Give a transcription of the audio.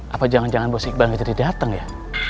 apa jangan jangan bos iqbal jadi datang ya